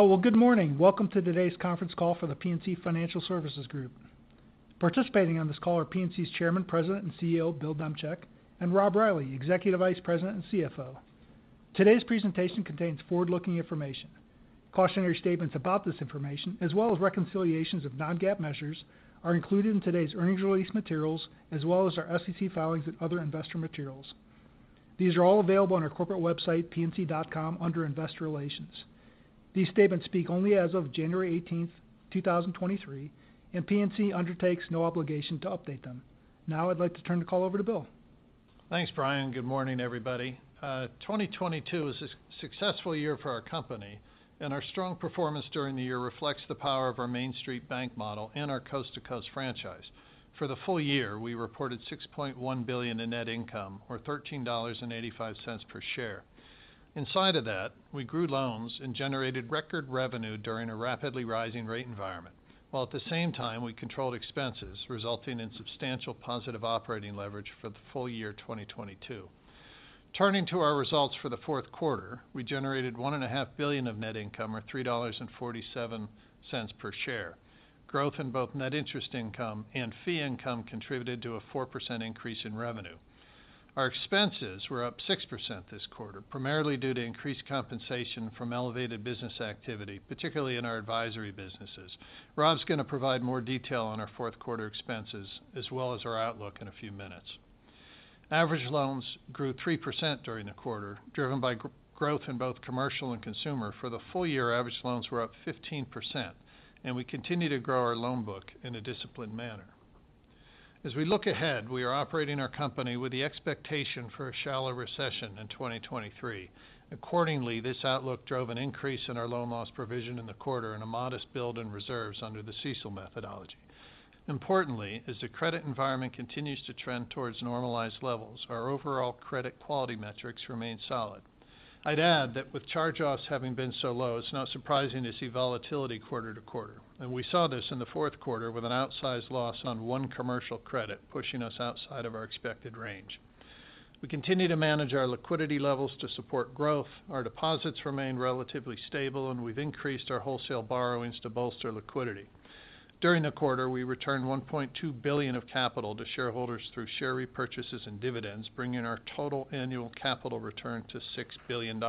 Oh, well, good morning. Welcome to today's conference call for The PNC Financial Services Group. Participating on this call are PNC's Chairman, President, and CEO, Bill Demchak, and Rob Reilly, Executive Vice President and CFO. Today's presentation contains forward-looking information. Cautionary statements about this information, as well as reconciliations of non-GAAP measures are included in today's earnings release materials, as well as our SEC filings and other investor materials. These are all available on our corporate website, pnc.com, under Investor Relations. These statements speak only as of January 18, 2023, and PNC undertakes no obligation to update them. Now I'd like to turn the call over to Bill. Thanks, Bryan. Good morning, everybody. 2022 was a successful year for our company, and our strong performance during the year reflects the power of our Main Street bank model and our coast-to-coast franchise. For the full year, we reported $6.1 billion in net income or $13.85 per share. Inside of that, we grew loans and generated record revenue during a rapidly rising rate environment, while at the same time, we controlled expenses, resulting in substantial positive operating leverage for the full year 2022. Turning to our results for the Fourth Quarter, we generated $1.5 billion of net income or $3.47 per share. Growth in both net interest income and fee income contributed to a 4% increase in revenue. Our expenses were up 6% this quarter, primarily due to increased compensation from elevated business activity, particularly in our advisory businesses. Rob's going to provide more detail on our fourth quarter expenses as well as our outlook in a few minutes. Average loans grew 3% during the quarter, driven by growth in both commercial and consumer. For the full year, average loans were up 15%, and we continue to grow our loan book in a disciplined manner. As we look ahead, we are operating our company with the expectation for a shallow recession in 2023. Accordingly, this outlook drove an increase in our loan loss provision in the quarter and a modest build in reserves under the CECL methodology. Importantly, as the credit environment continues to trend towards normalized levels, our overall credit quality metrics remain solid. I'd add that with charge-offs having been so low, it's not surprising to see volatility quarter to quarter. We saw this in the fourth quarter with an outsized loss on one commercial credit, pushing us outside of our expected range. We continue to manage our liquidity levels to support growth. Our deposits remain relatively stable, and we've increased our wholesale borrowings to bolster liquidity. During the quarter, we returned $1.2 billion of capital to shareholders through share repurchases and dividends, bringing our total annual capital return to $6 billion.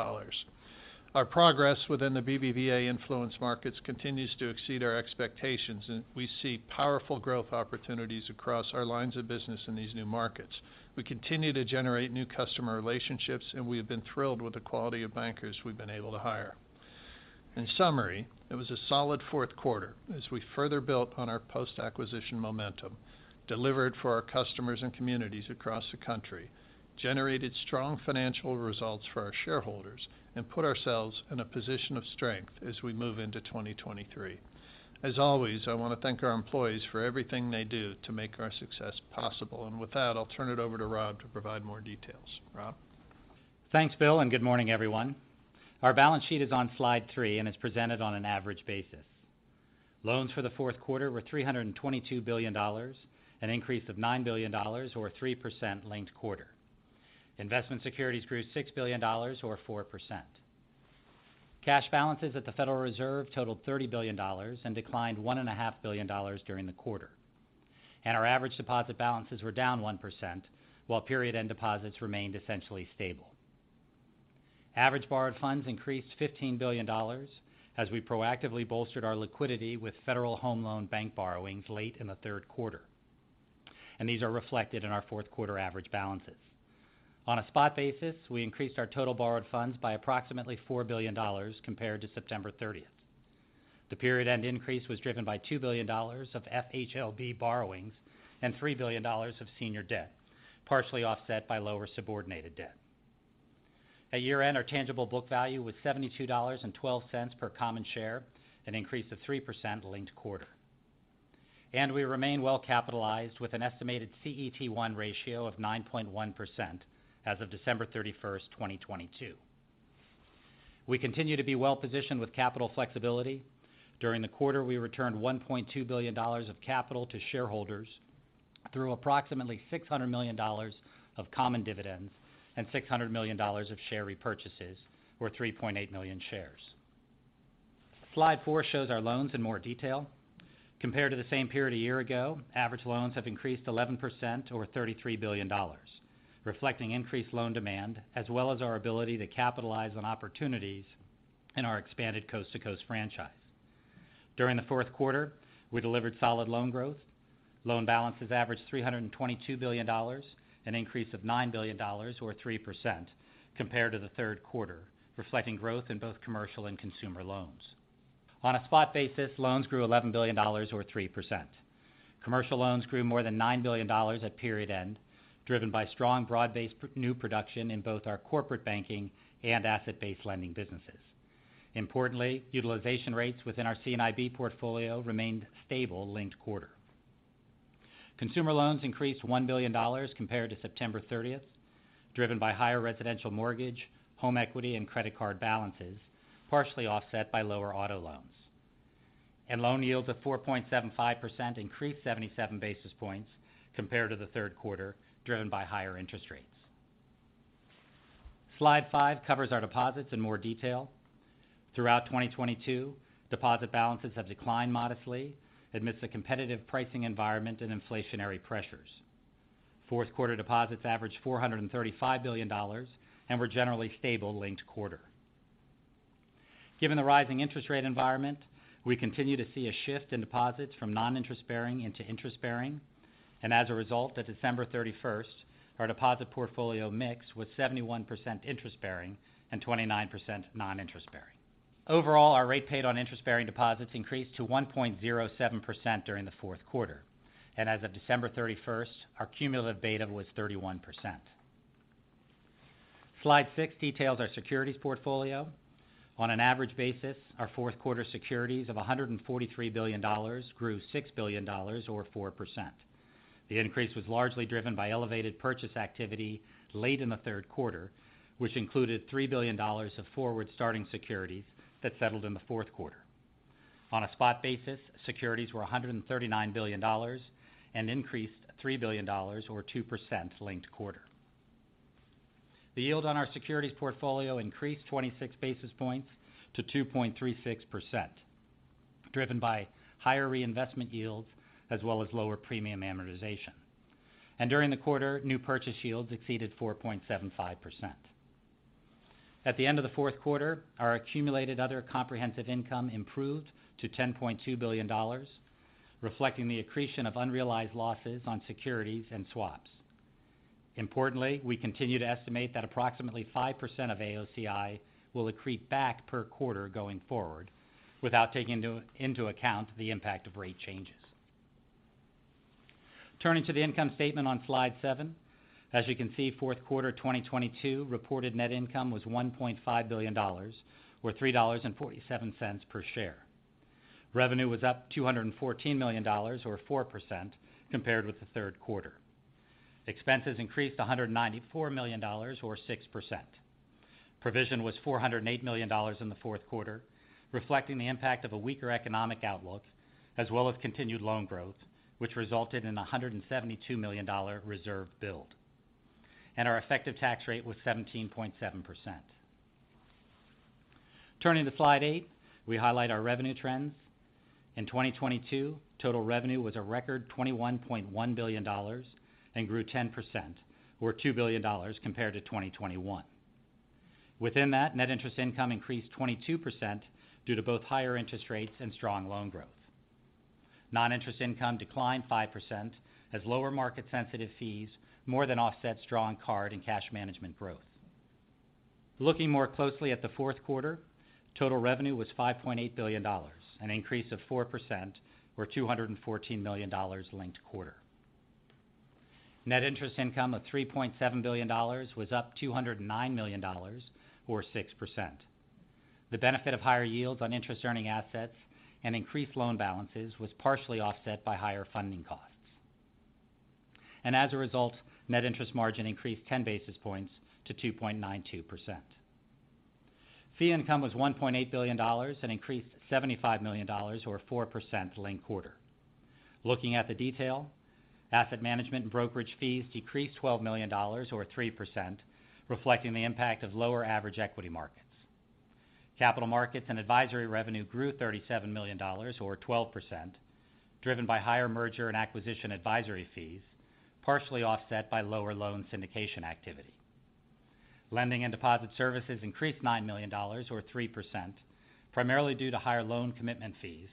Our progress within the BBVA influence markets continues to exceed our expectations, and we see powerful growth opportunities across our lines of business in these new markets. We continue to generate new customer relationships, and we have been thrilled with the quality of bankers we've been able to hire. In summary, it was a solid fourth quarter as we further built on our post-acquisition momentum, delivered for our customers and communities across the country, generated strong financial results for our shareholders, and put ourselves in a position of strength as we move into 2023. As always, I want to thank our employees for everything they do to make our success possible. With that, I'll turn it over to Rob to provide more details. Rob? Thanks, Bill, and good morning, everyone. Our balance sheet is on slide 3, and it's presented on an average basis. Loans for the fourth quarter were $322 billion, an increase of $9 billion or 3% linked quarter. Investment securities grew $6 billion or 4%. Cash balances at the Federal Reserve totaled $30 billion and declined one and a half billion dollars during the quarter. Our average deposit balances were down 1%, while period end deposits remained essentially stable. Average borrowed funds increased $15 billion as we proactively bolstered our liquidity with Federal Home Loan Bank borrowings late in the third quarter. These are reflected in our fourth quarter average balances. On a spot basis, we increased our total borrowed funds by approximately $4 billion compared to September 30th. The period end increase was driven by $2 billion of FHLB borrowings and $3 billion of senior debt, partially offset by lower subordinated debt. At year-end, our tangible book value was $72.12 per common share, an increase of 3% linked quarter. We remain well capitalized with an estimated CET1 ratio of 9.1% as of December 31, 2022. We continue to be well-positioned with capital flexibility. During the quarter, we returned $1.2 billion of capital to shareholders through approximately $600 million of common dividends and $600 million of share repurchases, or 3.8 million shares. Slide four shows our loans in more detail. Compared to the same period a year ago, average loans have increased 11% or $33 billion, reflecting increased loan demand, as well as our ability to capitalize on opportunities in our expanded coast-to-coast franchise. During the fourth quarter, we delivered solid loan growth. Loan balances averaged $322 billion, an increase of $9 billion or 3% compared to the third quarter, reflecting growth in both commercial and consumer loans. On a spot basis, loans grew $11 billion or 3%. Commercial loans grew more than $9 billion at period end, driven by strong broad-based new production in both our corporate banking and asset-based lending businesses. Importantly, utilization rates within our C&IB portfolio remained stable linked quarter. Consumer loans increased $1 billion compared to September 30th, driven by higher residential mortgage, home equity, and credit card balances, partially offset by lower auto loans. Loan yields of 4.75% increased 77 basis points compared to the third quarter, driven by higher interest rates. Slide five covers our deposits in more detail. Throughout 2022, deposit balances have declined modestly amidst a competitive pricing environment and inflationary pressures. Fourth quarter deposits averaged $435 billion and were generally stable linked quarter. Given the rising interest rate environment, we continue to see a shift in deposits from non-interest bearing into interest bearing. As a result, at December 31st, our deposit portfolio mix was 71% interest bearing and 29% non-interest bearing. Overall, our rate paid on interest-bearing deposits increased to 1.07% during the fourth quarter. As of December 31st, our cumulative beta was 31%. Slide six details our securities portfolio. On an average basis, our fourth quarter securities of $143 billion grew $6 billion or 4%. The increase was largely driven by elevated purchase activity late in the third quarter, which included $3 billion of forward starting securities that settled in the fourth quarter. On a spot basis, securities were $139 billion and increased $3 billion or 2% linked quarter. The yield on our securities portfolio increased 26 basis points to 2.36%, driven by higher reinvestment yields as well as lower premium amortization. During the quarter, new purchase yields exceeded 4.75%. At the end of the fourth quarter, our accumulated other comprehensive income improved to $10.2 billion, reflecting the accretion of unrealized losses on securities and swaps. We continue to estimate that approximately 5% of AOCI will accrete back per quarter going forward without taking into account the impact of rate changes. Turning to the income statement on slide seven. As you can see, fourth quarter 2022 reported net income was $1.5 billion, or $3.47 per share. Revenue was up $214 million or 4% compared with the third quarter. Expenses increased $194 million or 6%. Provision was $408 million in the fourth quarter, reflecting the impact of a weaker economic outlook as well as continued loan growth, which resulted in a $172 million reserve build. Our effective tax rate was 17.7%. Turning to slide eight, we highlight our revenue trends. In 2022, total revenue was a record $21.1 billion and grew 10% or $2 billion compared to 2021. Within that, net interest income increased 22% due to both higher interest rates and strong loan growth. Non-interest income declined 5% as lower market sensitive fees more than offset strong card and cash management growth. Looking more closely at the fourth quarter, total revenue was $5.8 billion, an increase of 4% or $214 million linked quarter. Net interest income of $3.7 billion was up $209 million or 6%. The benefit of higher yields on interest earning assets and increased loan balances was partially offset by higher funding costs. As a result, net interest margin increased 10 basis points to 2.92%. Fee income was $1.8 billion and increased $75 million or 4% linked quarter. Looking at the detail, asset management and brokerage fees decreased $12 million or 3%, reflecting the impact of lower average equity markets. Capital markets and advisory revenue grew $37 million or 12%, driven by higher merger and acquisition advisory fees, partially offset by lower loan syndication activity. Lending and deposit services increased $9 million or 3%, primarily due to higher loan commitment fees,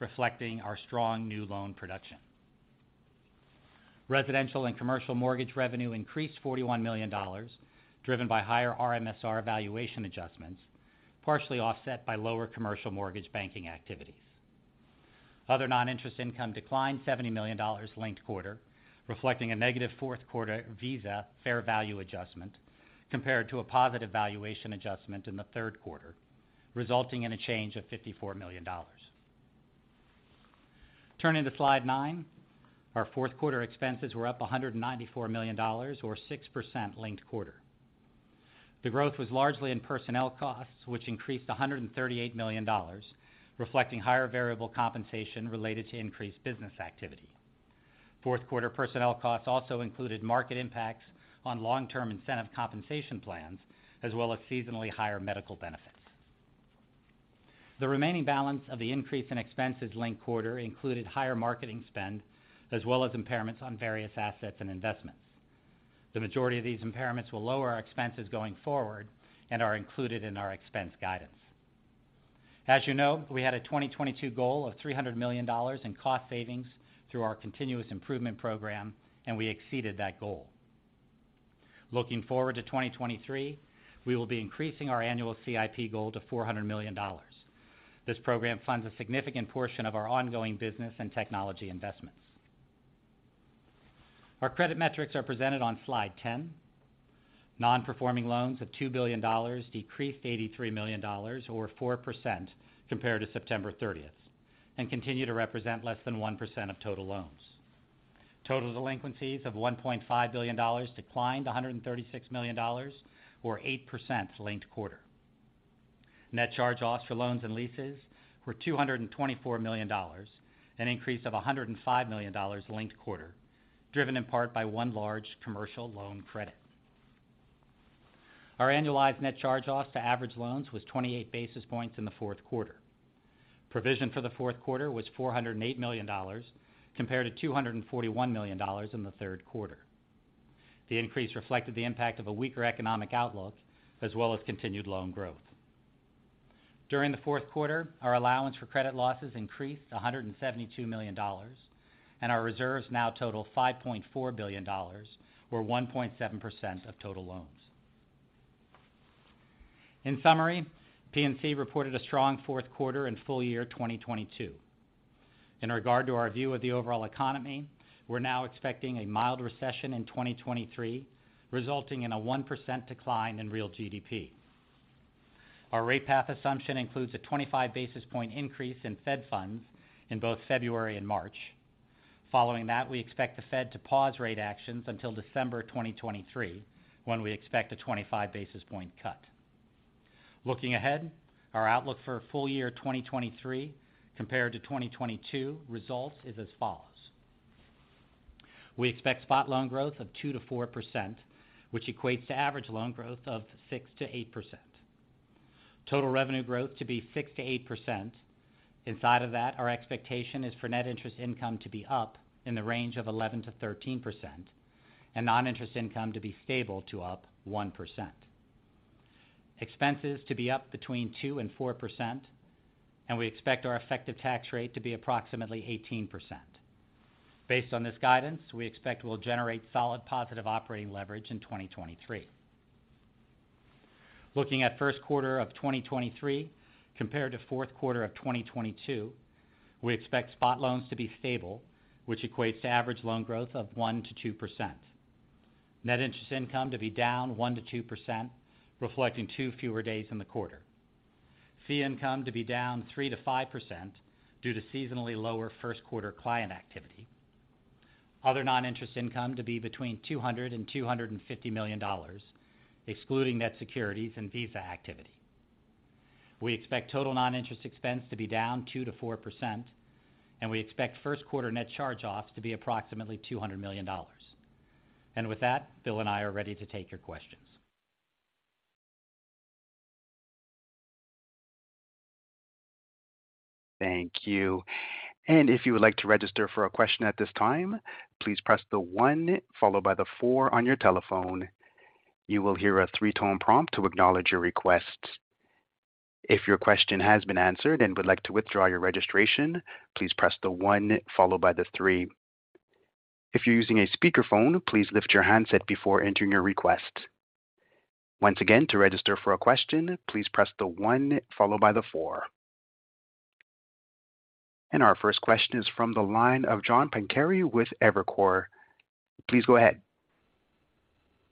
reflecting our strong new loan production. Residential and commercial mortgage revenue increased $41 million, driven by higher MSR valuation adjustments, partially offset by lower commercial mortgage banking activities. Other non-interest income declined $70 million linked quarter, reflecting a negative fourth quarter Visa fair value adjustment compared to a positive valuation adjustment in the third quarter, resulting in a change of $54 million. Turning to slide nine. Our fourth quarter expenses were up $194 million or 6% linked quarter. The growth was largely in personnel costs, which increased $138 million, reflecting higher variable compensation related to increased business activity. Fourth quarter personnel costs also included market impacts on long-term incentive compensation plans, as well as seasonally higher medical benefits. The remaining balance of the increase in expenses linked quarter included higher marketing spend as well as impairments on various assets and investments. The majority of these impairments will lower our expenses going forward and are included in our expense guidance. As you know, we had a 2022 goal of $300 million in cost savings through our continuous improvement program, and we exceeded that goal. Looking forward to 2023, we will be increasing our annual CIP goal to $400 million. This program funds a significant portion of our ongoing business and technology investments. Our credit metrics are presented on slide 10. Non-Performing Loans of $2 billion decreased $83 million or 4% compared to September 30th, and continue to represent less than 1% of total loans. Total delinquencies of $1.5 billion declined $136 million or 8% linked quarter. Net charge-offs for loans and leases were $224 million, an increase of $105 million linked quarter, driven in part by one large commercial loan credit. Our annualized net charge-offs to average loans was 28 basis points in the fourth quarter. Provision for the fourth quarter was $408 million compared to $241 million in the third quarter. The increase reflected the impact of a weaker economic outlook as well as continued loan growth. During the fourth quarter, our allowance for credit losses increased $172 million, and our reserves now total $5.4 billion, or 1.7% of total loans. In summary, PNC reported a strong fourth quarter and full year 2022. In regard to our view of the overall economy, we're now expecting a mild recession in 2023, resulting in a 1% decline in real GDP. Our rate path assumption includes a 25 basis point increase in fed funds in both February and March. Following that, we expect the Fed to pause rate actions until December 2023, when we expect a 25 basis point cut. Looking ahead, our outlook for full year 2023 compared to 2022 results is as follows: We expect spot loan growth of 2%-4%, which equates to average loan growth of 6%-8%. Total revenue growth to be 6%-8%. Inside of that, our expectation is for Net Interest Income to be up in the range of 11%-13% and non-interest income to be stable to up 1%. Expenses to be up between 2% and 4%. We expect our effective tax rate to be approximately 18%. Based on this guidance, we expect we'll generate solid positive operating leverage in 2023. Looking at first quarter of 2023 compared to fourth quarter of 2022, we expect spot loans to be stable, which equates to average loan growth of 1%-2%. Net Interest Income to be down 1%-2%, reflecting two fewer days in the quarter. Fee income to be down 3%-5% due to seasonally lower first quarter client activity. Other non-interest income to be between $200 million-$250 million, excluding net securities and Visa activity. We expect total non-interest expense to be down 2%-4%, and we expect first quarter net charge-offs to be approximately $200 million. With that, Bill and I are ready to take your questions. Thank you. If you would like to register for a question at this time, please press the one followed by the four on your telephone. You will hear a three-tone prompt to acknowledge your request. If your question has been answered and would like to withdraw your registration, please press the one followed by the three. If you're using a speakerphone, please lift your handset before entering your request. Once again, to register for a question, please press the one followed by the four. Our first question is from the line of John Pancari with Evercore. Please go ahead.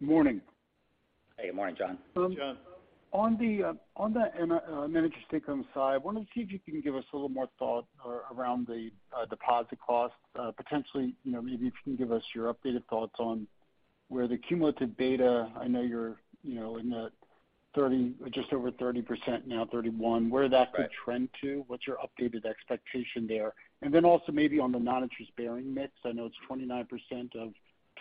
Morning. Hey, good morning, John. John. On the manager stake on the side, I wanted to see if you can give us a little more thought around the deposit costs, potentially, you know, maybe if you can give us your updated thoughts on where the cumulative beta, I know you're, you know, in the 30%, just over 30% now, 31%, where that could trend to. What's your updated expectation there? Also maybe on the non-interest bearing mix. I know it's 29% of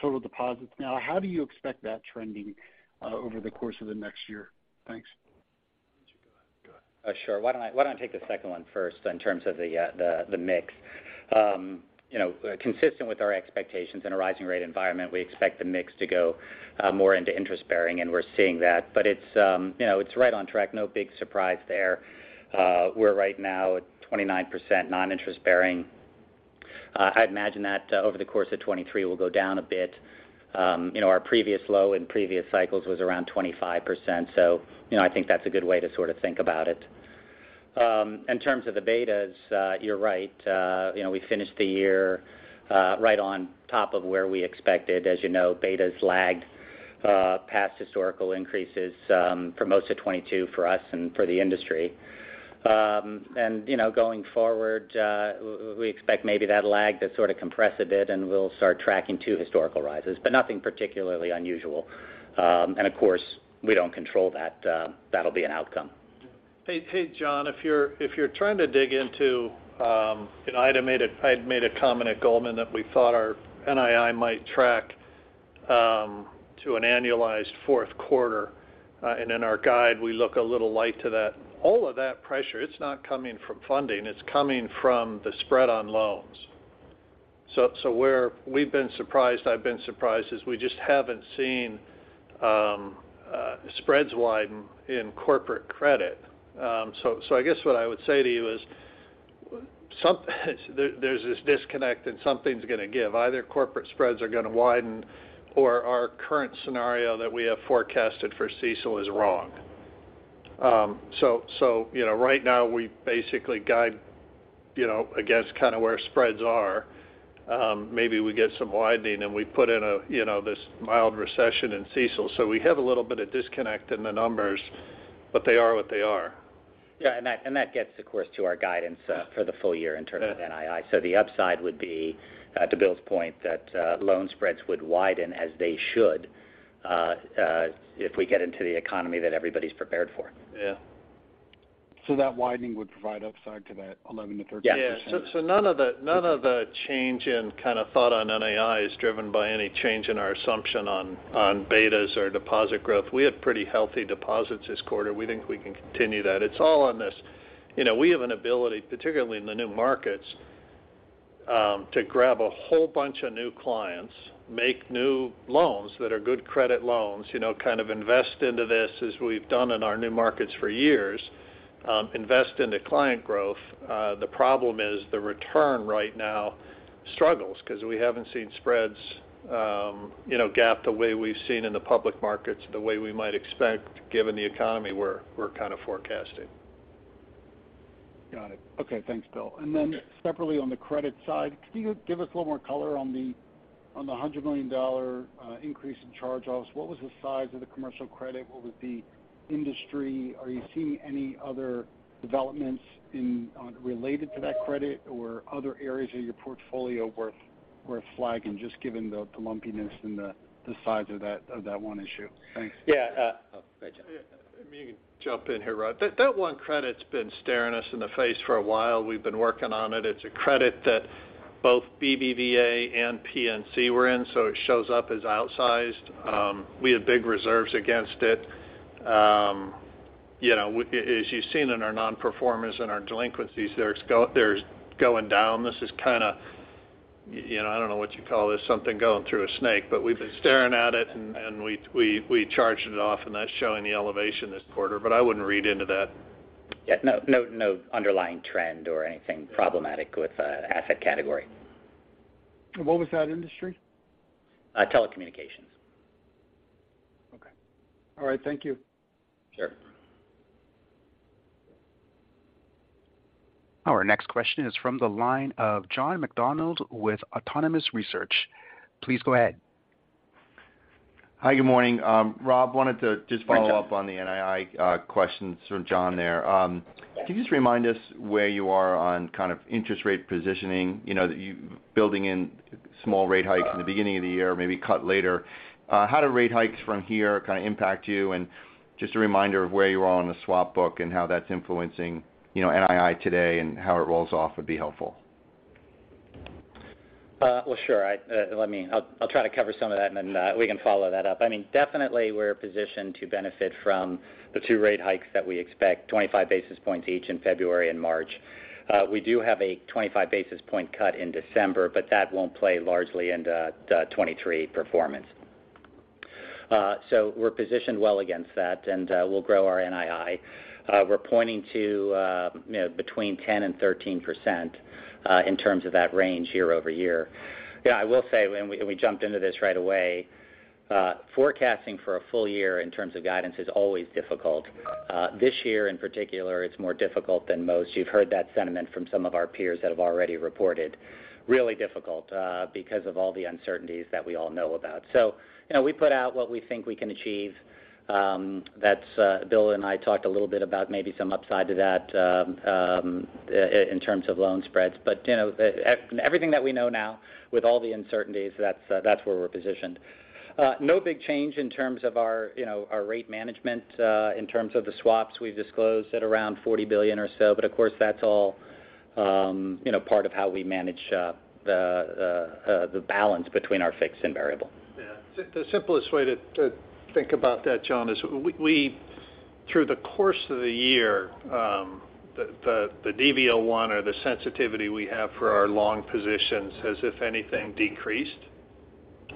total deposits now. How do you expect that trending over the course of the next year? Thanks. Why don't you go ahead? Go ahead. Sure. Why don't I, why don't I take the second one first in terms of the mix. You know, consistent with our expectations in a rising rate environment, we expect the mix to go more into interest-bearing, and we're seeing that. It's, you know, it's right on track. No big surprise there. We're right now at 29% non-interest bearing. I'd imagine that over the course of 2023 will go down a bit. You know, our previous low in previous cycles was around 25%. You know, I think that's a good way to sort of think about it. In terms of the betas, you're right. You know, we finished the year right on top of where we expected. As you know, betas lagged past historical increases for most of 2022 for us and for the industry. You know, going forward, we expect maybe that lag to sort of compress a bit and we'll start tracking two historical rises, but nothing particularly unusual. Of course, we don't control that. That'll be an outcome. John. Hey, John, if you're trying to dig into, and I'd made a comment at Goldman that we thought our NII might track to an annualized fourth quarter. In our guide, we look a little light to that. All of that pressure, it's not coming from funding, it's coming from the spread on loans. Where we've been surprised, I've been surprised, is we just haven't seen spreads widen in corporate credit. I guess what I would say to you is there's this disconnect and something's going to give. Either corporate spreads are going to widen or our current scenario that we have forecasted for CECL is wrong. You know, right now we basically guide, you know, against kind of where spreads are. Maybe we get some widening and we put in a, you know, this mild recession in CECL. We have a little bit of disconnect in the numbers, but they are what they are. Yeah. That, and that gets, of course, to our guidance for the full year in terms of NII. The upside would be to Bill's point, that loan spreads would widen as they should if we get into the economy that everybody's prepared for. Yeah. That widening would provide upside to that 11%-13%. Yeah. Yeah. None of the, none of the change in kind of thought on NII is driven by any change in our assumption on betas or deposit growth. We had pretty healthy deposits this quarter. We think we can continue that. It's all on this. You know, we have an ability, particularly in the new markets, to grab a whole bunch of new clients, make new loans that are good credit loans, you know, kind of invest into this as we've done in our new markets for years, invest into client growth. The problem is the return right now struggles because we haven't seen spreads, you know, gap the way we've seen in the public markets, the way we might expect given the economy we're kind of forecasting. Got it. Okay, thanks, Bill. Separately on the credit side, could you give us a little more color on the $100 million increase in charge-offs? What was the size of the commercial credit? What was the industry? Are you seeing any other developments related to that credit or other areas of your portfolio worth flagging just given the lumpiness and the size of that one issue? Thanks. Yeah. Go ahead, John. Let me jump in here, Rob. That one credit's been staring us in the face for a while. We've been working on it. It's a credit that both BBVA and PNC were in, so it shows up as outsized. We have big reserves against it. You know, as you've seen in our nonperformers and our delinquencies there, they're going down. This is kind of, you know, I don't know what you call this, something going through a snake, but we've been staring at it, and we charged it off, and that's showing the elevation this quarter. I wouldn't read into that. Yeah, no underlying trend or anything problematic with the asset category. What was that industry? Telecommunications. Okay. All right, thank you. Sure. Our next question is from the line of John McDonald with Autonomous Research. Please go ahead. Hi, good morning. Rob, wanted to just follow up. Hi, John. On the NII, questions from John there. Can you just remind us where you are on kind of interest rate positioning, you know, that you building in small rate hikes in the beginning of the year, maybe cut later? How do rate hikes from here kind of impact you, and just a reminder of where you are on the swap book and how that's influencing, you know, NII today and how it rolls off would be helpful? Well, sure. I'll try to cover some of that, then we can follow that up. I mean, definitely we're positioned to benefit from the two rate hikes that we expect, 25 basis points each in February and March. We do have a 25 basis point cut in December, but that won't play largely into the 2023 performance. We're positioned well against that, and we'll grow our NII. We're pointing to, you know, between 10%-13% in terms of that range year-over-year. I will say, and we jumped into this right away, forecasting for a full year in terms of guidance is always difficult. This year in particular, it's more difficult than most. You've heard that sentiment from some of our peers that have already reported. Really difficult, because of all the uncertainties that we all know about. You know, we put out what we think we can achieve. That's Bill and I talked a little bit about maybe some upside to that in terms of loan spreads. You know, everything that we know now with all the uncertainties, that's where we're positioned. No big change in terms of our, you know, our rate management. In terms of the swaps, we've disclosed at around $40 billion or so, but of course, that's all, you know, part of how we manage the balance between our fixed and variable. The simplest way to think about that, John, is we, through the course of the year, the DV01 or the sensitivity we have for our long positions has, if anything, decreased.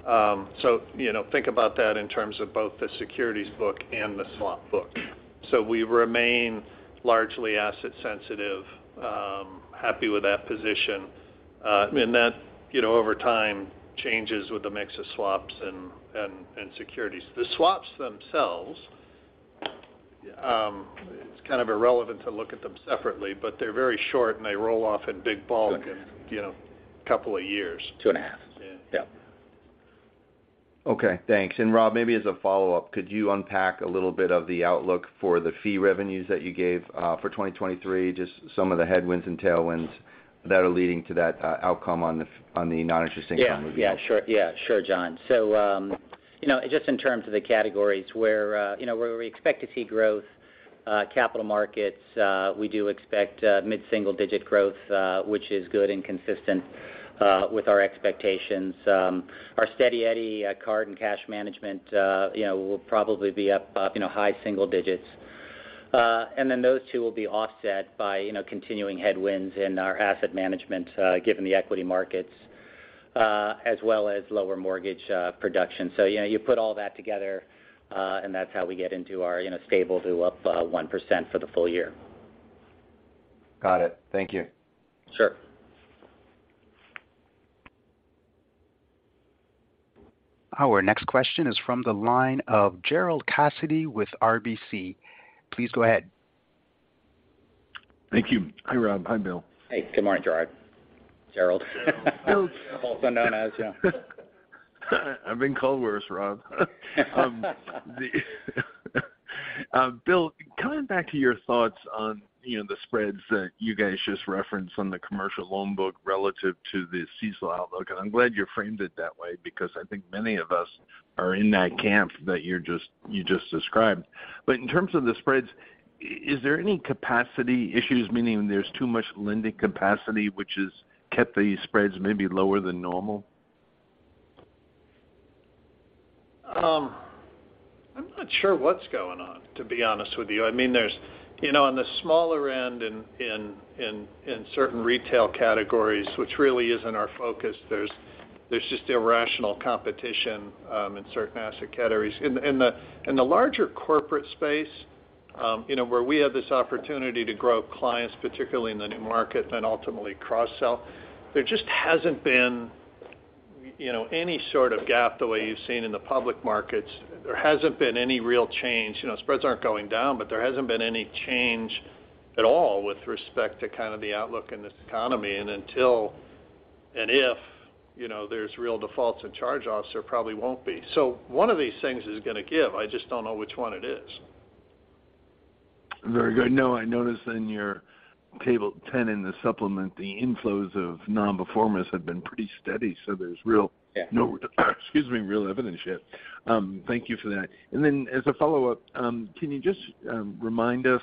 You know, think about that in terms of both the securities book and the swap book. We remain largely asset sensitive, happy with that position. That, you know, over time changes with the mix of swaps and securities. The swaps themselves, it's kind of irrelevant to look at them separately, but they're very short, and they roll off in big bulk in, you know, couple of years. Two and a half. Yeah. Yeah. Okay, thanks. Rob, maybe as a follow-up, could you unpack a little bit of the outlook for the fee revenues that you gave for 2023, just some of the headwinds and tailwinds that are leading to that outcome on the non-interest income review? Yeah, sure. Yeah, sure, John. you know, just in terms of the categories where, you know, where we expect to see growth, capital markets, we do expect mid-single digit growth, which is good and consistent with our expectations. Our steady eddy, card and cash management, you know, will probably be up, you know, high single digits. Those two will be offset by, you know, continuing headwinds in our asset management, given the equity markets, as well as lower mortgage production. you know, you put all that together, and that's how we get into our, you know, stable to up 1% for the full year. Got it. Thank you. Sure. Our next question is from the line of Gerard Cassidy with RBC. Please go ahead. Thank you. Hi, Rob. Hi, Bill. Hey, good morning, Gerard. Gerard. Bill. Also known as, you know. I've been called worse, Rob. Bill, coming back to your thoughts on, you know, the spreads that you guys just referenced on the commercial loan book relative to the CECL outlook. I'm glad you framed it that way because I think many of us are in that camp that you just described. In terms of the spreads, is there any capacity issues, meaning there's too much lending capacity which has kept these spreads maybe lower than normal? I'm not sure what's going on, to be honest with you. I mean, you know, on the smaller end in certain retail categories, which really isn't our focus, there's just irrational competition in certain asset categories. In the larger corporate space, you know, where we have this opportunity to grow clients, particularly in the new market, then ultimately cross-sell, there just hasn't been, you know, any sort of gap the way you've seen in the public markets. There hasn't been any real change. You know, spreads aren't going down, but there hasn't been any change at all with respect to kind of the outlook in this economy. Until, and if, you know, there's real defaults and charge-offs, there probably won't be. One of these things is gonna give. I just don't know which one it is. Very good. No, I noticed in your table 10 in the supplement, the inflows of nonperformers have been pretty steady. Yeah. No, excuse me, real evidence yet. Thank you for that. As a follow-up, can you just remind us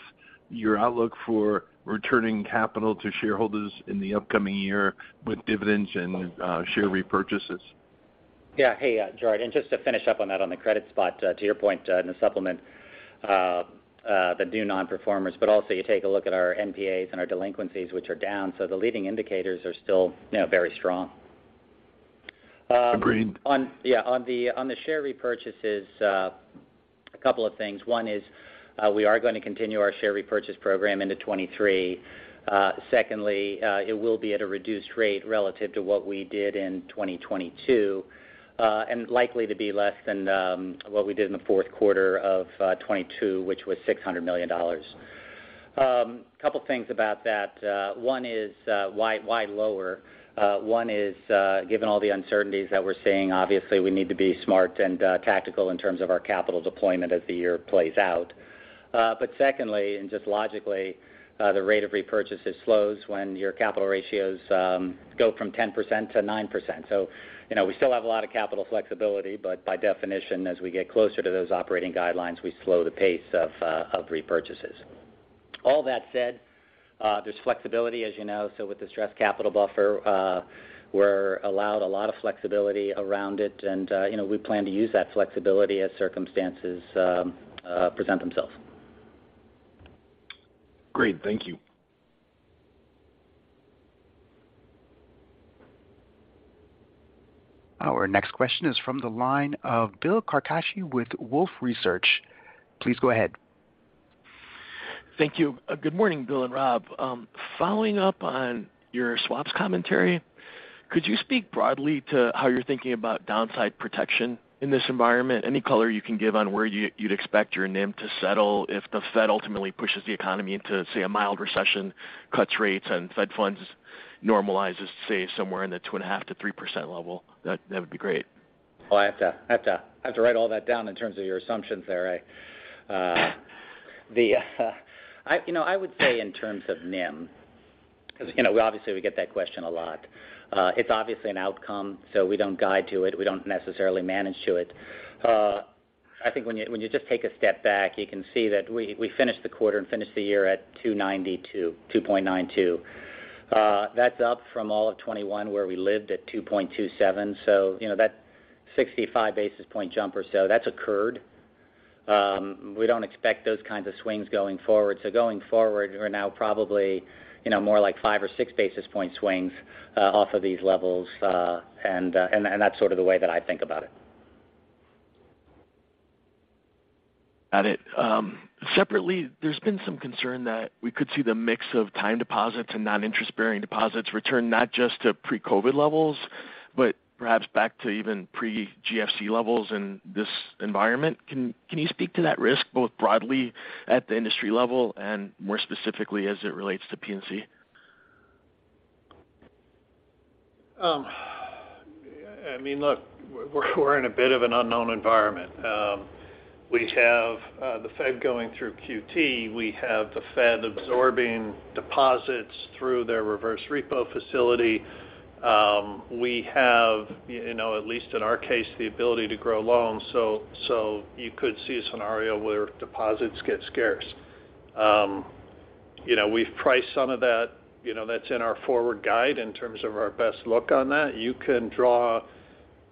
your outlook for returning capital to shareholders in the upcoming year with dividends and share repurchases? Yeah. Hey, Gerard. Just to finish up on that on the credit spot, to your point, in the supplement, the due nonperformers, but also you take a look at our NPAs and our delinquencies, which are down. The leading indicators are still, you know, very strong. Agreed. Yeah, on the share repurchases, a couple of things. One is, we are going to continue our share repurchase program into 2023. Secondly, it will be at a reduced rate relative to what we did in 2022, and likely to be less than what we did in the fourth quarter of 2022, which was $600 million. Couple things about that. One is, why lower? One is, given all the uncertainties that we're seeing, obviously we need to be smart and tactical in terms of our capital deployment as the year plays out. Secondly, and just logically, the rate of repurchases slows when your capital ratios go from 10% to 9%. You know, we still have a lot of capital flexibility, but by definition, as we get closer to those operating guidelines, we slow the pace of repurchases. All that said, there's flexibility, as you know. With the Stress Capital Buffer, we're allowed a lot of flexibility around it and, you know, we plan to use that flexibility as circumstances present themselves. Great. Thank you. Our next question is from the line of Bill Carcache with Wolfe Research. Please go ahead. Thank you. Good morning, Bill and Rob. Following up on your swaps commentary, could you speak broadly to how you're thinking about downside protection in this environment? Any color you can give on where you'd expect your NIM to settle if the Fed ultimately pushes the economy into, say, a mild recession, cuts rates, and Fed funds normalizes, say, somewhere in the 2.5%-3% level? That would be great. I have to write all that down in terms of your assumptions there, Ray. I, you know, I would say in terms of NIM, because, you know, we obviously we get that question a lot. It's obviously an outcome, so we don't guide to it. We don't necessarily manage to it. I think when you just take a step back, you can see that we finished the quarter and finished the year at 2.92%. That's up from all of 2021, where we lived at 2.27%. You know, that 65 basis point jump or so, that's occurred. We don't expect those kinds of swings going forward. Going forward, we're now probably, you know, more like 5 or 6 basis point swings off of these levels. And that's sort of the way that I think about it. Got it. Separately, there's been some concern that we could see the mix of time deposits and non-interest-bearing deposits return not just to pre-COVID levels, but perhaps back to even pre-GFC levels in this environment. Can you speak to that risk both broadly at the industry level and more specifically as it relates to PNC? I mean, look, we're in a bit of an unknown environment. We have the Fed going through QT. We have the Fed absorbing deposits through their reverse repo facility. We have, you know, at least in our case, the ability to grow loans. You could see a scenario where deposits get scarce. You know, we've priced some of that, you know, that's in our forward guide in terms of our best look on that. You can draw,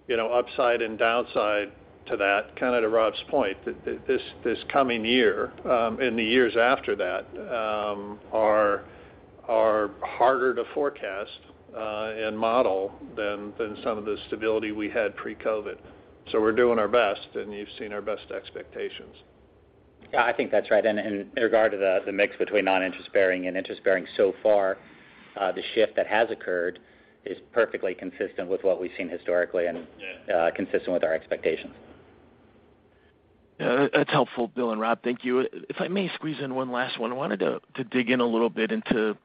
you know, upside and downside to that. Kind of to Rob's point, this coming year, and the years after that, are harder to forecast and model than some of the stability we had pre-COVID. We're doing our best, and you've seen our best expectations. Yeah, I think that's right. In regard to the mix between non-interest-bearing and interest-bearing so far, the shift that has occurred is perfectly consistent with what we've seen historically. Yeah Consistent with our expectations. Yeah, that's helpful, Bill and Rob, thank you. If I may squeeze in one last one. I wanted to dig in a little bit into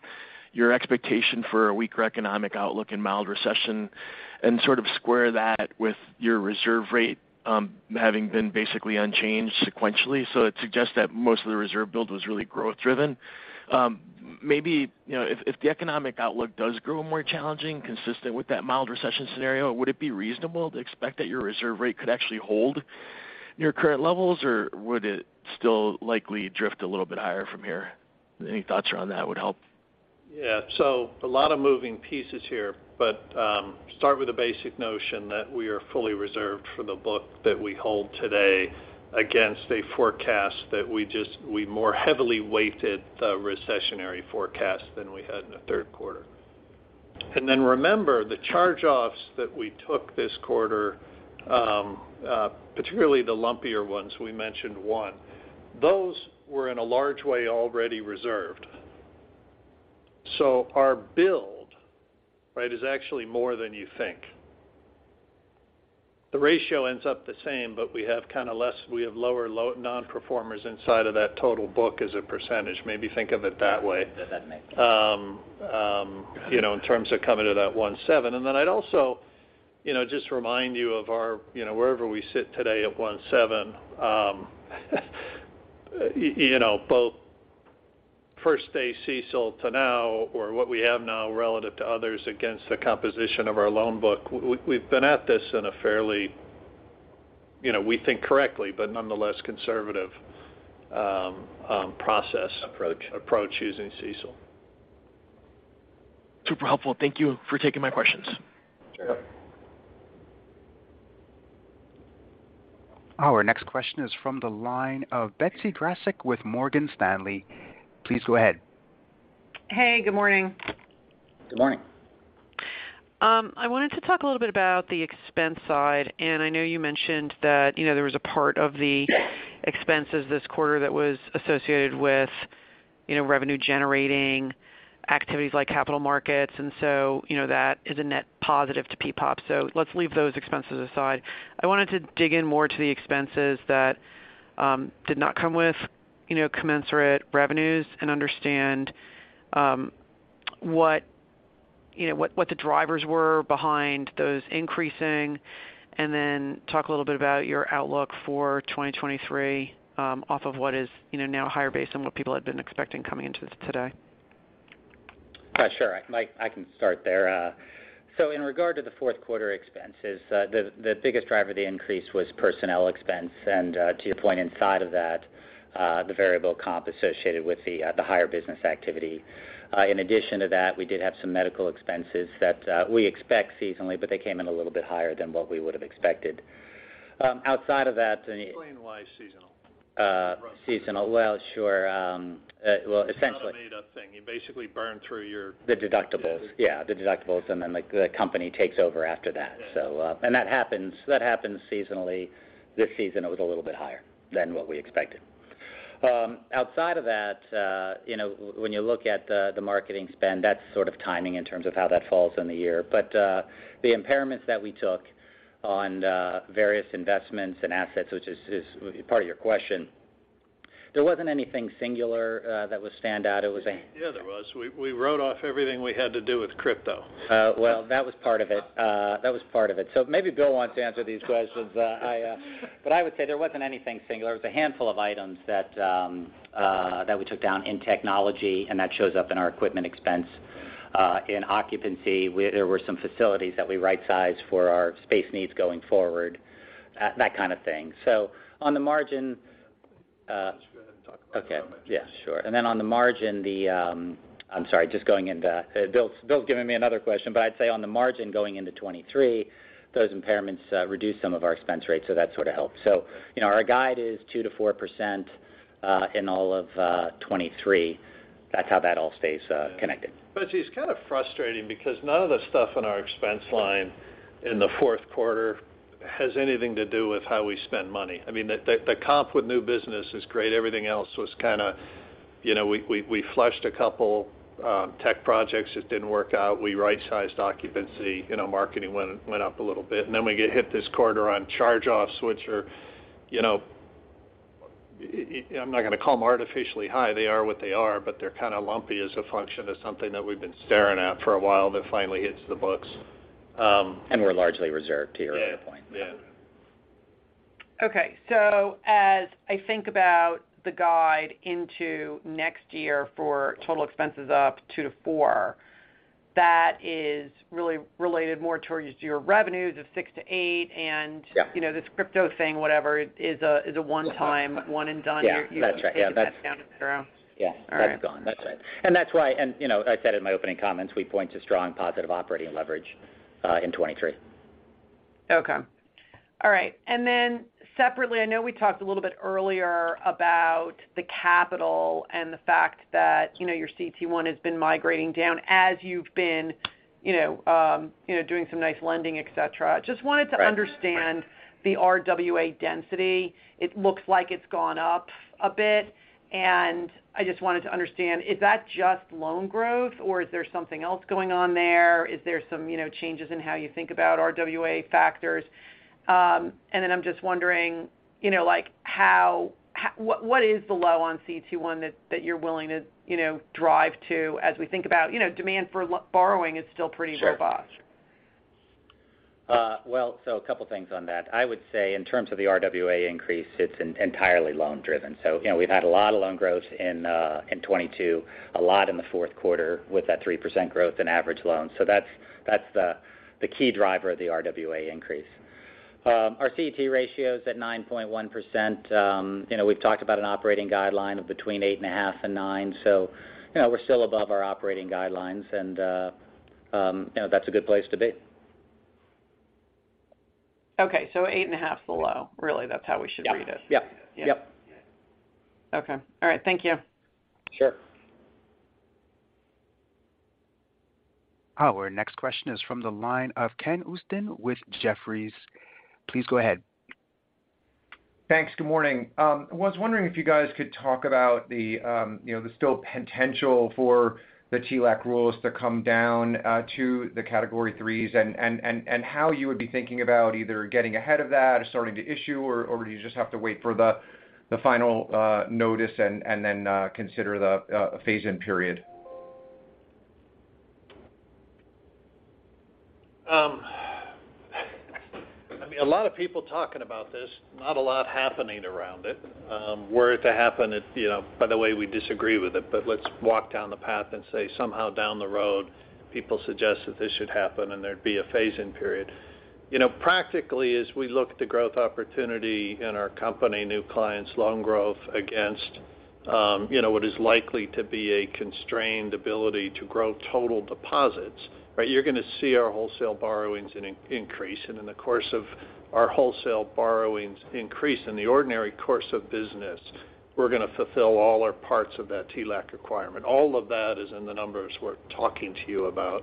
your expectation for a weaker economic outlook and mild recession and sort of square that with your reserve rate, having been basically unchanged sequentially. It suggests that most of the reserve build was really growth driven. Maybe, you know, if the economic outlook does grow more challenging, consistent with that mild recession scenario, would it be reasonable to expect that your reserve rate could actually hold near current levels, or would it still likely drift a little bit higher from here? Any thoughts around that would help. Yeah. A lot of moving pieces here, but start with the basic notion that we are fully reserved for the book that we hold today against a forecast that we more heavily weighted the recessionary forecast than we had in the third quarter. Remember, the charge-offs that we took this quarter, particularly the lumpier ones, we mentioned one, those were in a large way already reserved. Our build, right, is actually more than you think. The ratio ends up the same, but we have kind of lower Non-Performers inside of that total book as a percentage. Maybe think of it that way. That makes sense. You know, in terms of coming to that 1.7. Then I'd also, you know, just remind you of our, you know, wherever we sit today at 1.7, you know, both first day CECL to now or what we have now relative to others against the composition of our loan book, we've been at this in a fairly, you know, we think correctly, but nonetheless conservative process. Approach Approach using CECL. Super helpful. Thank you for taking my questions. Sure. Yep. Our next question is from the line of Betsy Graseck with Morgan Stanley. Please go ahead. Hey, good morning. Good morning. I wanted to talk a little bit about the expense side. I know you mentioned that, you know, there was a part of the expenses this quarter that was associated with, you know, revenue generating activities like capital markets. You know, that is a net positive to PPOP. Let's leave those expenses aside. I wanted to dig in more to the expenses that did not come with, you know, commensurate revenues and understand, what, you know, what the drivers were behind those increasing. Then talk a little bit about your outlook for 2023, off of what is, you know, now higher based on what people had been expecting coming into today. Yeah, sure. I can start there. In regard to the fourth quarter expenses, the biggest driver of the increase was personnel expense. To your point inside of that, the variable comp associated with the higher business activity. In addition to that, we did have some medical expenses that we expect seasonally, but they came in a little bit higher than what we would have expected. Outside of that. Explain why seasonal? Seasonal. Well, sure. Well, It's not a made up thing. You basically burn through your. The deductibles. Yeah, the deductibles, and then the company takes over after that. And that happens, that happens seasonally. This season, it was a little bit higher than what we expected. Outside of that, you know, when you look at the marketing spend, that's sort of timing in terms of how that falls in the year. The impairments that we took on various investments and assets, which is part of your question, there wasn't anything singular that was stand out. It was. Yeah, there was. We wrote off everything we had to do with crypto. Well, that was part of it. That was part of it. Maybe Bill wants to answer these questions. I would say there wasn't anything singular. It was a handful of items that we took down in technology, and that shows up in our equipment expense. In occupancy, there were some facilities that we right-sized for our space needs going forward, that kind of thing. On the margin. Just go ahead and talk about it so I make sure. Okay. Yeah, sure. On the margin, I'm sorry, just going into Bill's giving me another question. I'd say on the margin going into 2023, those impairments reduce some of our expense rates, that sort of helps. You know, our guide is 2%-4% in all of 2023. That's how that all stays connected. Betsy, it's kind of frustrating because none of the stuff in our expense line in the fourth quarter has anything to do with how we spend money. I mean, the comp with new business is great. Everything else was kind of, you know, we flushed a couple tech projects that didn't work out. We right-sized occupancy. You know, marketing went up a little bit. Then we get hit this quarter on charge-offs, which are, you know, I'm not going to call them artificially high. They are what they are, but they're kind of lumpy as a function of something that we've been staring at for a while that finally hits the books. We're largely reserved to your other point. Yeah. Yeah. Okay. As I think about the guide into next year for total expenses up 2%-4%, that is really related more towards your revenues of 6%-8%. Yep. You know, this crypto thing, whatever, is a one-time, one and done. Yeah. That's right. Yeah. You're taking that down to zero. Yes. All right. That is gone. That's it. That's why, and, you know, I said in my opening comments, we point to strong positive operating leverage in 2023. Okay. All right. Separately, I know we talked a little bit earlier about the capital and the fact that, you know, your CET1 has been migrating down as you've been. You know, you know, doing some nice lending, et cetera. Right. Just wanted to understand the RWA density. It looks like it's gone up a bit, and I just wanted to understand, is that just loan growth, or is there something else going on there? Is there some, you know, changes in how you think about RWA factors? I'm just wondering, you know, like what is the low on CET1 that you're willing to, you know, drive to as we think about, you know, demand for borrowing is still pretty robust. Sure. Well, a couple things on that. I would say in terms of the RWA increase, it's entirely loan driven. You know, we've had a lot of loan growth in 2022, a lot in the fourth quarter with that 3% growth in average loans. That's the key driver of the RWA increase. Our CET ratio is at 9.1%. You know, we've talked about an operating guideline of between 8.5% and 9%. You know, we're still above our operating guidelines and, you know, that's a good place to be. Okay, 8.5's the low. Really, that's how we should read it. Yeah. Yep. Yeah. Okay. All right. Thank you. Sure. Our next question is from the line of Ken Usdin with Jefferies. Please go ahead. Thanks. Good morning. Was wondering if you guys could talk about the, you know, the still potential for the TLAC rules to come down to the category threes and how you would be thinking about either getting ahead of that or starting to issue or do you just have to wait for the final notice and then consider the phase-in period? I mean, a lot of people talking about this, not a lot happening around it. Were it to happen it's, you know, by the way, we disagree with it, but let's walk down the path and say somehow down the road people suggest that this should happen and there'd be a phase-in period. You know, practically, as we look at the growth opportunity in our company, new clients, loan growth against, you know, what is likely to be a constrained ability to grow total deposits, right? You're gonna see our wholesale borrowings in an increase. In the course of our wholesale borrowings increase in the ordinary course of business, we're gonna fulfill all our parts of that TLAC requirement. All of that is in the numbers we're talking to you about.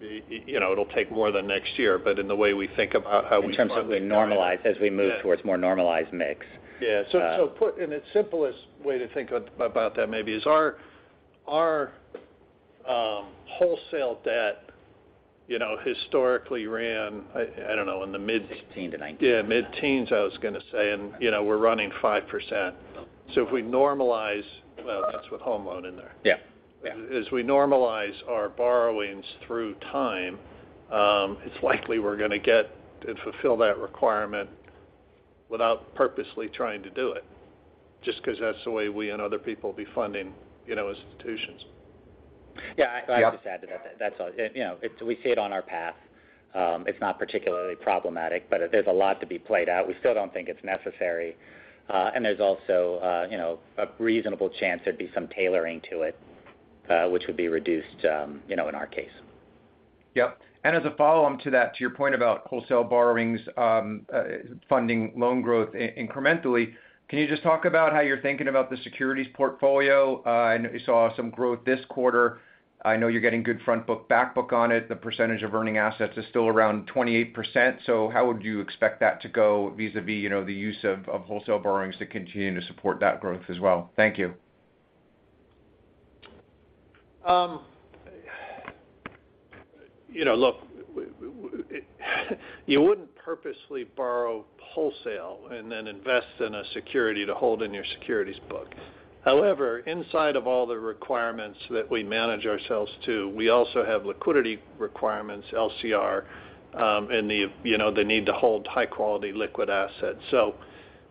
You know, it'll take more than next year. In the way we think about how. In terms of we normalize as we move Yeah Towards more normalized mix. Yeah. Uh- Put in its simplest way to think about that maybe is our wholesale debt, you know, historically ran, I don't know, in the mid- 16 to 19 Yeah, mid-teens, I was gonna say. You know, we're running 5%. If we normalize, well, that's with home loan in there. Yeah. Yeah. As we normalize our borrowings through time, it's likely we're gonna get and fulfill that requirement without purposely trying to do it, just 'cause that's the way we and other people will be funding, you know, institutions. Yeah. I just add to that's all. You know, we see it on our path. It's not particularly problematic, but there's a lot to be played out. We still don't think it's necessary. There's also, you know, a reasonable chance there'd be some tailoring to it, which would be reduced, you know, in our case. Yep. As a follow-on to that, to your point about wholesale borrowings, funding loan growth incrementally, can you just talk about how you're thinking about the securities portfolio? I know you saw some growth this quarter. I know you're getting good front book, back book on it. The percentage of earning assets is still around 28%. How would you expect that to go vis-à-vis, you know, the use of wholesale borrowings to continue to support that growth as well? Thank you. You know, look, you wouldn't purposely borrow wholesale and then invest in a security to hold in your securities book. Inside of all the requirements that we manage ourselves to, we also have liquidity requirements, LCR, and the, you know, the need to hold high-quality liquid assets.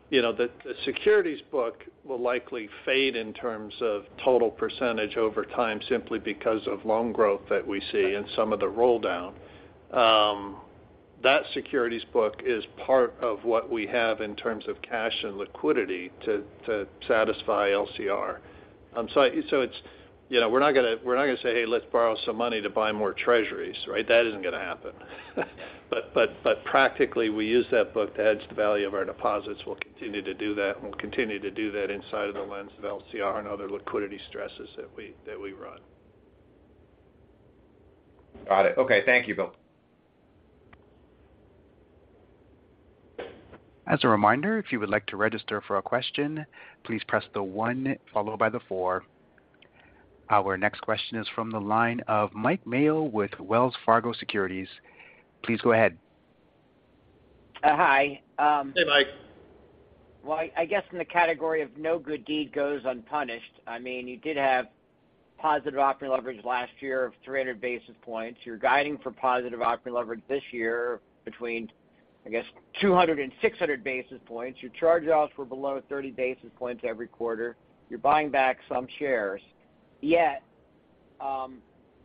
You know, the securities book will likely fade in terms of total percentage over time simply because of loan growth that we see and some of the roll down. That securities book is part of what we have in terms of cash and liquidity to satisfy LCR. It's, you know, we're not gonna say, "Hey, let's borrow some money to buy more treasuries," right? That isn't gonna happen. Practically, we use that book to hedge the value of our deposits. We'll continue to do that. We'll continue to do that inside of the lens of LCR and other liquidity stresses that we, that we run. Got it. Okay. Thank you, Bill. As a reminder, if you would like to register for a question, please press the one followed by the four. Our next question is from the line of Mike Mayo with Wells Fargo Securities. Please go ahead. Hi. Hey, Mike. Well, I guess in the category of no good deed goes unpunished, I mean, you did have positive operating leverage last year of 300 basis points. You're guiding for positive operating leverage this year between, I guess, 200 and 600 basis points. Your charge offs were below 30 basis points every quarter. You're buying back some shares. You know,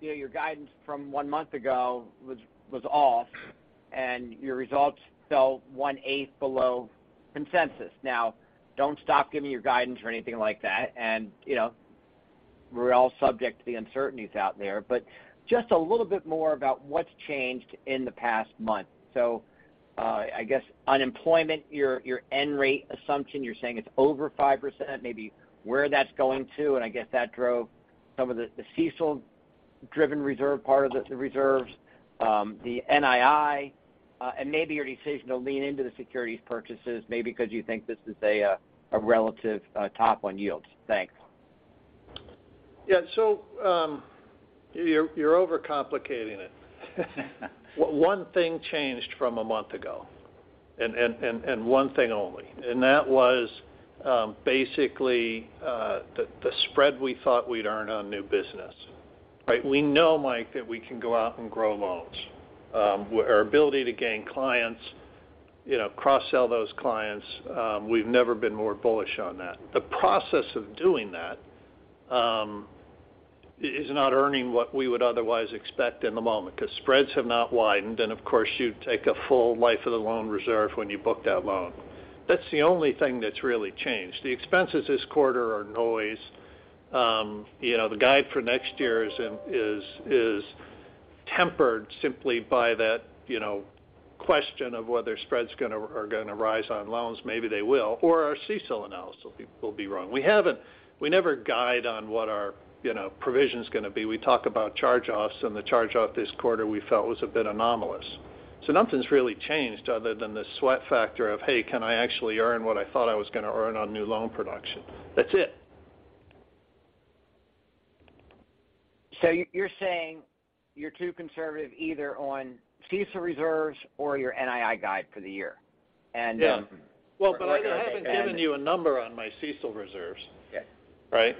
your guidance from one month ago was off, and your results fell one-eighth below consensus. Don't stop giving your guidance or anything like that. You know, we're all subject to the uncertainties out there, just a little bit more about what's changed in the past month. I guess unemployment, your end rate assumption, you're saying it's over 5%, maybe where that's going to, and I guess that drove some of the CECL-driven reserve, part of the reserves, the NII, and maybe your decision to lean into the securities purchases, maybe 'cause you think this is a relative, top on yields. Thanks. Yeah. You're overcomplicating it. One thing changed from a month ago, and one thing only, and that was the spread we thought we'd earn on new business, right? We know, Mike, that we can go out and grow loans. Our ability to gain clients, you know, cross-sell those clients, we've never been more bullish on that. The process of doing that is not earning what we would otherwise expect in the moment, 'cause spreads have not widened, and of course, you take a full life of the loan reserve when you book that loan. That's the only thing that's really changed. The expenses this quarter are noise. You know, the guide for next year is tempered simply by that, you know, question of whether spreads are gonna rise on loans. Maybe they will, or our CECL analysis will be wrong. We never guide on what our, you know, provision's gonna be. We talk about charge-offs. The charge-off this quarter we felt was a bit anomalous. Nothing's really changed other than the sweat factor of, hey, can I actually earn what I thought I was gonna earn on new loan production? That's it. You're saying you're too conservative either on CECL reserves or your NII guide for the year, and, Yeah. Well, I haven't given you a number on my CECL reserves. Yeah. Right?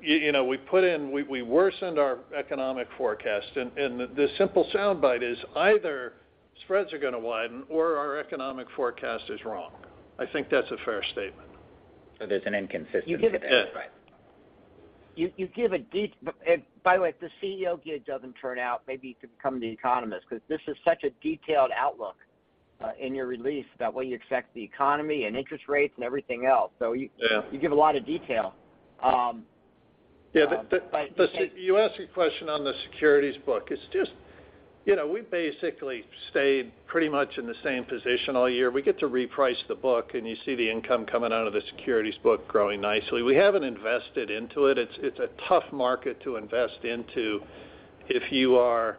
you know, we worsened our economic forecast. The simple soundbite is either spreads are gonna widen or our economic forecast is wrong. I think that's a fair statement. There's an inconsistency there, right? Yeah. You give a by the way, if the CEO gig doesn't turn out, maybe you could become the economist 'cause this is such a detailed outlook in your release about what you expect the economy and interest rates and everything else. You. Yeah. You give a lot of detail. Yeah. The You asked a question on the securities book. It's just, you know, we basically stayed pretty much in the same position all year. We get to reprice the book, and you see the income coming out of the securities book growing nicely. We haven't invested into it. It's a tough market to invest into if you are,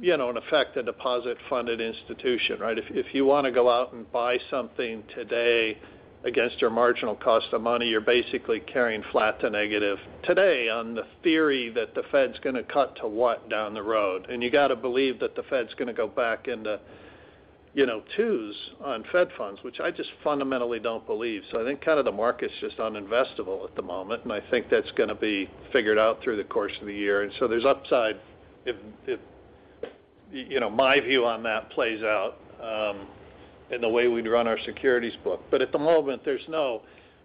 you know, in effect, a deposit-funded institution, right? If you wanna go out and buy something today against your marginal cost of money, you're basically carrying flat to negative today on the theory that the Fed's gonna cut to what down the road? You gotta believe that the Fed's gonna go back into, you know, twos on Fed funds, which I just fundamentally don't believe. I think kind of the market's just uninvestable at the moment, and I think that's gonna be figured out through the course of the year. There's upside if, you know, my view on that plays out in the way we'd run our securities book. At the moment, there's no.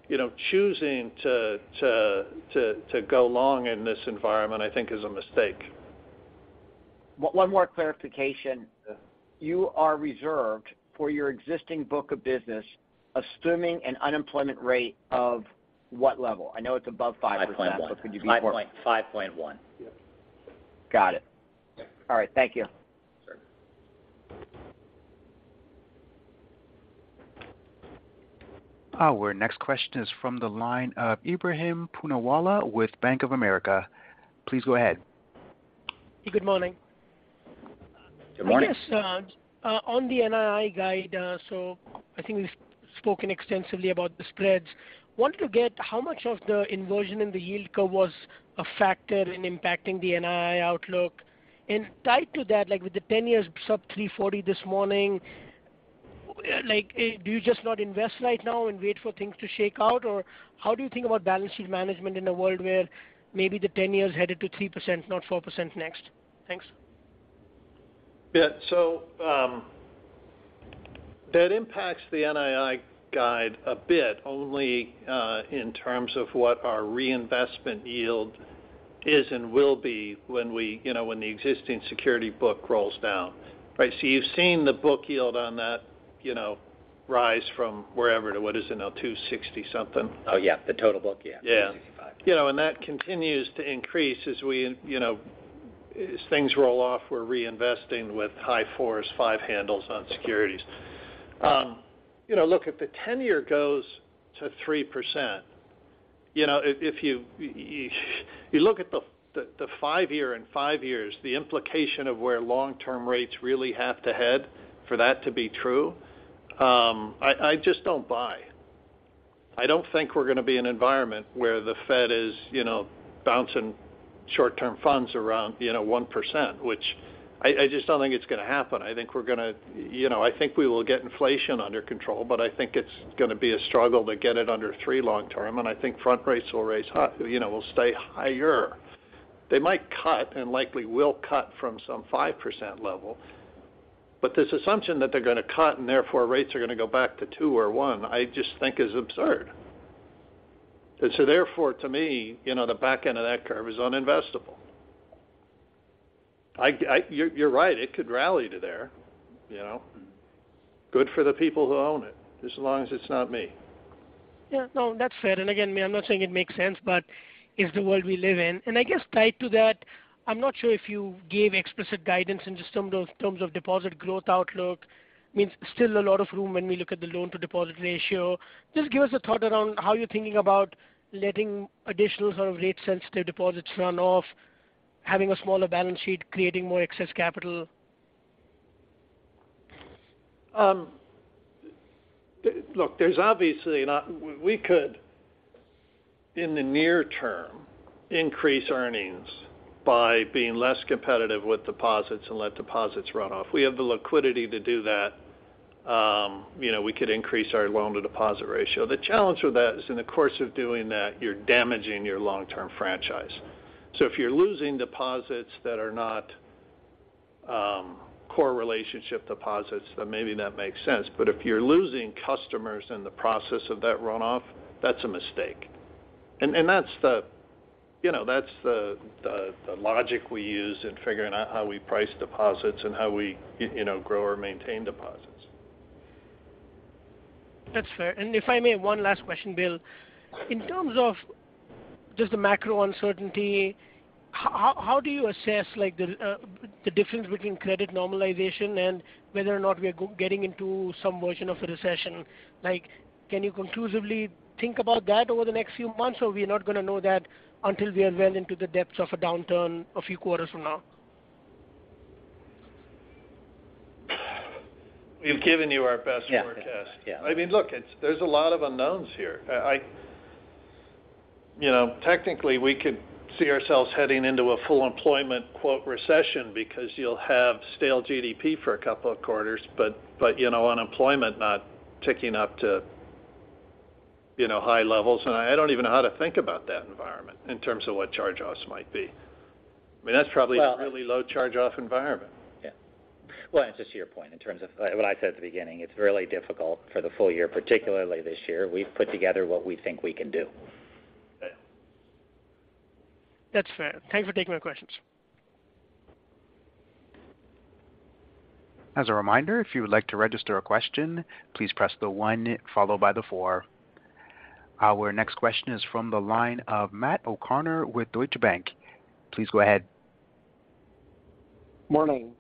You know, choosing to go long in this environment, I think is a mistake. One more clarification. Yeah. You are reserved for your existing book of business, assuming an unemployment rate of what level? I know it's above 5%... 5.1. Could you be. 5 point, 5.1. Yeah. Got it. Yeah. All right. Thank you. Sure. Our next question is from the line of Ebrahim Poonawala with Bank of America. Please go ahead. Good morning. Good morning. I guess, on the NII guide, I think we've spoken extensively about the spreads. Wanted to get how much of the inversion in the yield curve was a factor in impacting the NII outlook. Tied to that, like, with the 10-year sub 3.40% this morning, like, do you just not invest right now and wait for things to shake out? How do you think about balance sheet management in a world where maybe the 10-year is headed to 3%, not 4% next? Thanks. Yeah. That impacts the NII guide a bit only, in terms of what our reinvestment yield is and will be when we, you know, when the existing security book rolls down. Right, you've seen the book yield on that, you know, rise from wherever to, what is it now? 2.60 something. Oh, yeah, the total book. Yeah. Yeah. 265. You know, that continues to increase as we, you know, as things roll off, we're reinvesting with high fours, five handles on securities. You know, look, if the ten-year goes to 3%, you know, if you look at the five-year and five years, the implication of where long-term rates really have to head for that to be true, I just don't buy. I don't think we're gonna be an environment where the Fed is, you know, bouncing short-term funds around, you know, 1%, which I just don't think it's gonna happen. I think we will get inflation under control, but I think it's gonna be a struggle to get it under three long term, and I think front rates, you know, will stay higher. They might cut and likely will cut from some 5% level. This assumption that they're gonna cut, and therefore, rates are gonna go back to two or one, I just think is absurd. Therefore, to me, you know, the back end of that curve is uninvestable. You're right. It could rally to there, you know. Good for the people who own it, just as long as it's not me. Yeah. No, that's fair. Again, I'm not saying it makes sense, but it's the world we live in. I guess tied to that, I'm not sure if you gave explicit guidance in just terms of deposit growth outlook. I mean, still a lot of room when we look at the loan to deposit ratio. Just give us a thought around how you're thinking about letting additional sort of rate sensitive deposits run off, having a smaller balance sheet, creating more excess capital? Look, there's obviously not... We could, in the near term, increase earnings by being less competitive with deposits and let deposits run off. We have the liquidity to do that. You know, we could increase our loan-to-deposit ratio. The challenge with that is in the course of doing that, you're damaging your long-term franchise. If you're losing deposits that are not core relationship deposits, then maybe that makes sense. If you're losing customers in the process of that runoff, that's a mistake. That's the, you know, that's the logic we use in figuring out how we price deposits and how we, you know, grow or maintain deposits. That's fair. If I may, one last question, Bill. In terms of just the macro uncertainty, how do you assess, like, the difference between credit normalization and whether or not we are getting into some version of a recession? Like, can you conclusively think about that over the next few months, or we're not gonna know that until we are well into the depths of a downturn a few quarters from now? We've given you our best forecast. Yeah. Yeah. I mean, look, it's, there's a lot of unknowns here. You know, technically, we could see ourselves heading into a full employment, quote, "recession" because you'll have stale GDP for a couple of quarters but, you know, unemployment not ticking up to, you know, high levels. I don't even know how to think about that environment in terms of what charge-offs might be. I mean, that's. Well. A really low charge-off environment. Yeah. Well, just to your point in terms of what I said at the beginning, it's really difficult for the full year, particularly this year. We've put together what we think we can do. Yeah. That's fair. Thanks for taking my questions. As a reminder, if you would like to register a question, please press the one followed by the four. Our next question is from the line of Matt O'Connor with Deutsche Bank. Please go ahead. Morning.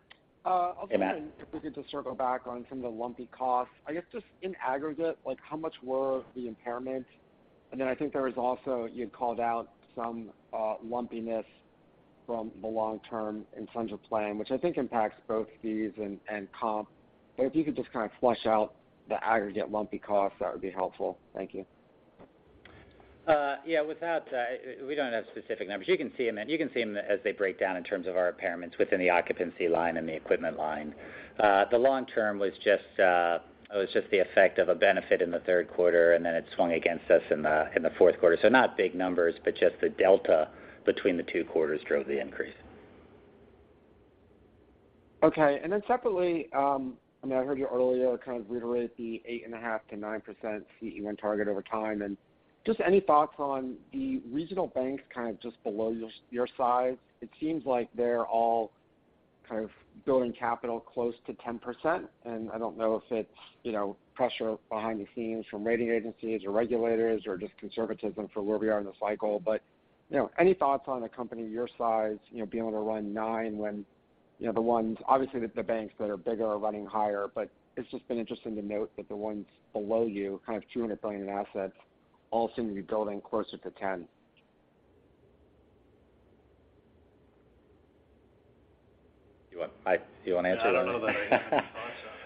Hey, Matt. I'll begin if we could just circle back on some of the lumpy costs. I guess just in aggregate, like how much were the impairments? I think there was also, you had called out some lumpiness from the long term in terms of playing, which I think impacts both fees and comp. If you could just kind of flesh out the aggregate lumpy costs, that would be helpful. Thank you. Yeah. Without. We don't have specific numbers. You can see 'em as they break down in terms of our impairments within the occupancy line and the equipment line. The long term was just the effect of a benefit in the third quarter, and then it swung against us in the fourth quarter. Not big numbers, but just the delta between the two quarters drove the increase. Okay. Separately, I mean, I heard you earlier kind of reiterate the 8.5%-9% CET1 target over time. Just any thoughts on the regional banks kind of just below your size? It seems like they're all kind of building capital close to 10%. I don't know if it's, you know, pressure behind the scenes from rating agencies or regulators or just conservatism for where we are in the cycle. You know, any thoughts on a company your size, you know, being able to run 9% when, you know, the ones... Obviously, the banks that are bigger are running higher, but it's just been interesting to note that the ones below you, kind of $200 billion in assets, all seem to be building closer to 10%. Do you want to answer that one? I don't know that I have any thoughts on it.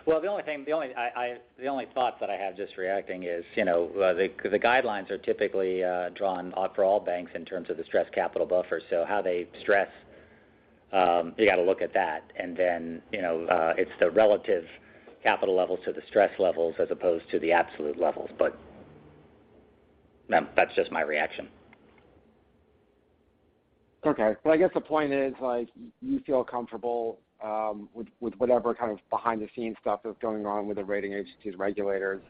Well, the only thing, the only thought that I have just reacting is, you know, the guidelines are typically drawn for all banks in terms of the Stress Capital Buffer. How they stress, you got to look at that. Then, you know, it's the relative capital levels to the stress levels as opposed to the absolute levels. No, that's just my reaction. Okay. I guess the point is, like, you feel comfortable, with whatever kind of behind the scenes stuff is going on with the rating agencies, regulators,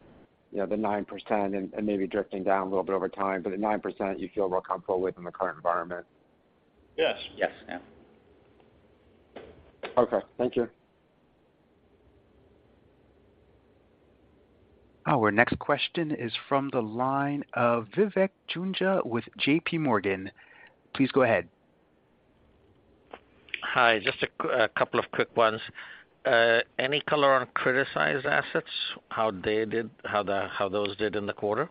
you know, the 9% and maybe drifting down a little bit over time. At 9%, you feel real comfortable with in the current environment. Yes. Yes. Yeah. Okay. Thank you. Our next question is from the line of Vivek Juneja with JPMorgan. Please go ahead. Hi. Just a couple of quick ones. Any color on criticized assets, how they did, how those did in the quarter?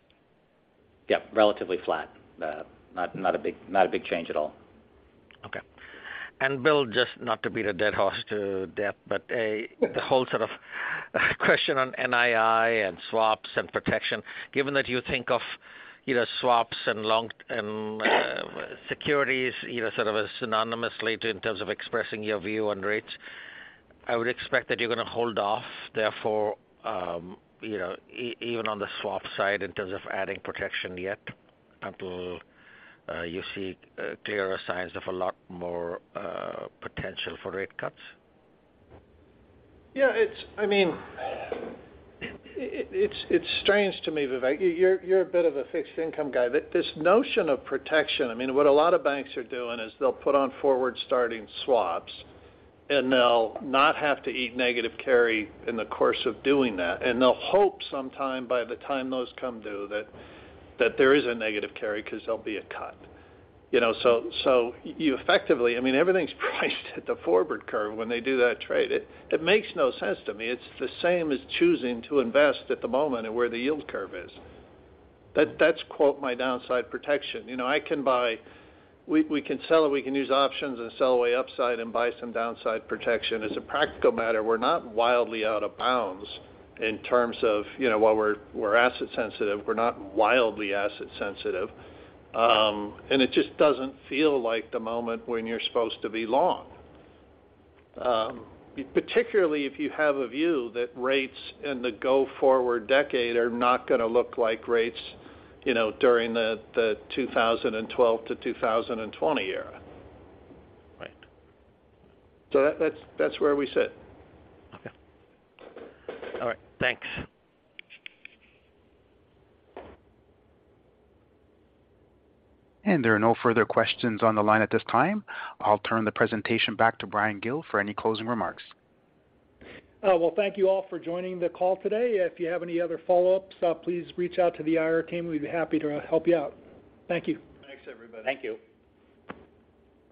Yeah, relatively flat. Not a big change at all. Okay. Bill, just not to beat a dead horse to death, but The whole sort of question on NII and swaps and protection. Given that you think of, you know, swaps and long and securities, you know, sort of synonymously in terms of expressing your view on rates, I would expect that you're gonna hold off, therefore, you know, even on the swap side in terms of adding protection yet until you see clearer signs of a lot more potential for rate cuts. Yeah, I mean, it's strange to me, Vivek. You're a bit of a fixed income guy. This notion of protection, I mean, what a lot of banks are doing is they'll put on forward-starting swaps, and they'll not have to eat negative carry in the course of doing that. They'll hope sometime by the time those come due that there is a negative carry because there'll be a cut. You know, you effectively. I mean, everything's priced at the forward curve when they do that trade. It makes no sense to me. It's the same as choosing to invest at the moment at where the yield curve is. That's, quote, "my downside protection." You know, we can sell it. We can use options and sell away upside and buy some downside protection. As a practical matter, we're not wildly out of bounds in terms of, you know, while we're asset sensitive, we're not wildly asset sensitive. It just doesn't feel like the moment when you're supposed to be long. Particularly if you have a view that rates in the go-forward decade are not gonna look like rates, you know, during the 2012 to 2020 era. Right. That's where we sit. Okay. All right. Thanks. There are no further questions on the line at this time. I'll turn the presentation back to Bryan Gill for any closing remarks. Well, thank you all for joining the call today. If you have any other follow-ups, please reach out to the IR team. We'd be happy to help you out. Thank you. Thanks, everybody. Thank you.